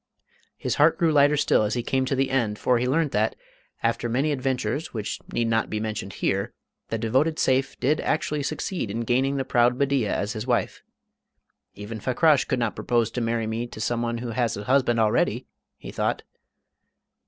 His heart grew lighter still as he came to the end, for he learnt that, after many adventures which need not be mentioned here, the devoted Seyf did actually succeed in gaining the proud Bedeea as his wife. "Even Fakrash could not propose to marry me to some one who has a husband already," he thought.